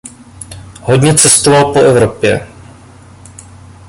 Hodně cestoval po Evropě.